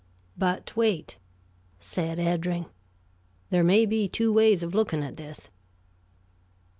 "But wait," said Eddring, "there may be two ways of looking at this."